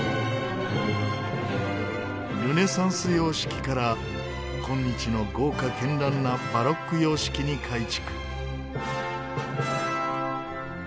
ルネサンス様式から今日の豪華絢爛なバロック様式に改築。